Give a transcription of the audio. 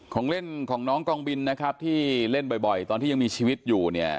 ของเล่นของน้องกองบินนะครับที่เล่นบ่อยตอนที่ยังมีชีวิตอยู่เนี่ย